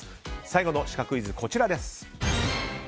最後のシカクイズこちらです。